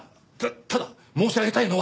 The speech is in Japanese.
たただ申し上げたいのは。